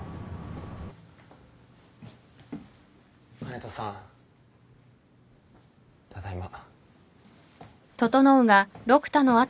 香音人さんただいま。